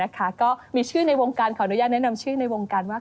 ก็มีชื่อในวงการขออนุญาตแนะนำชื่อในวงการว่า